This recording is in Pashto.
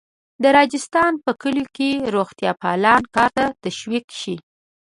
د راجستان په کلیو کې روغتیاپالان کار ته تشویق شي.